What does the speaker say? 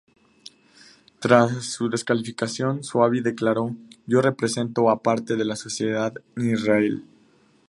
Tras su descalificación, Zoabi declaróː "Yo represento a parte de la sociedad en Israel.